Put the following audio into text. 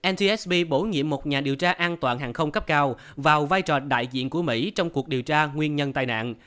nthb bổ nhiệm một nhà điều tra an toàn hàng không cấp cao vào vai trò đại diện của mỹ trong cuộc điều tra nguyên nhân tai nạn